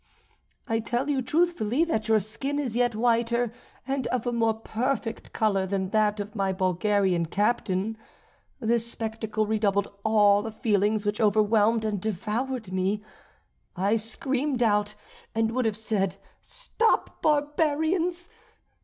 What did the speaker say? I tell you, truthfully, that your skin is yet whiter and of a more perfect colour than that of my Bulgarian captain. This spectacle redoubled all the feelings which overwhelmed and devoured me. I screamed out, and would have said, 'Stop, barbarians!'